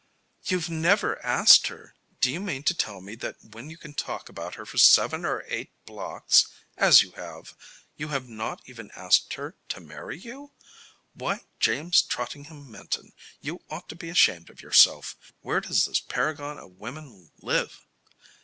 "You've never asked her! Do you mean to tell me that when you can talk about her for seven or eight blocks, as you have, you have not even asked her to marry you? Why, James Trottingham Minton, you ought to be ashamed of yourself! Where does this paragon of women live?